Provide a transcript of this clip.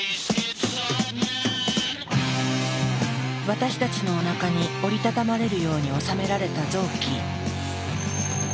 私たちのおなかに折り畳まれるように収められた臓器。